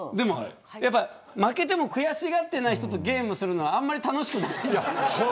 負けても悔しがってない人とゲームするのあまり楽しくない。